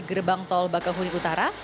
di gerbang tol bakauheni utara